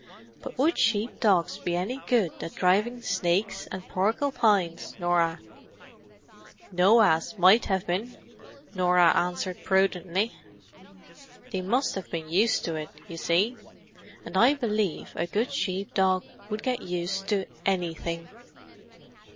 "But would sheep dogs be any good at driving snakes and porklepines, Norah?" "Noah's might have been," Norah answered prudently. "They must have been used to it, you see. And I believe a good sheep dog would get used to anything."